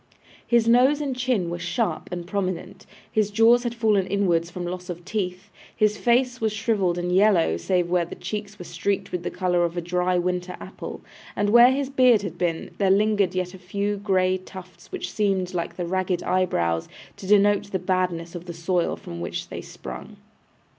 His nose and chin were sharp and prominent, his jaws had fallen inwards from loss of teeth, his face was shrivelled and yellow, save where the cheeks were streaked with the colour of a dry winter apple; and where his beard had been, there lingered yet a few grey tufts which seemed, like the ragged eyebrows, to denote the badness of the soil from which they sprung.